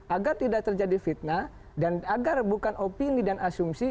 agar tidak terjadi fitnah dan agar bukan opini dan asumsi